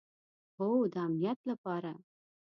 هو، د امنیت لپاره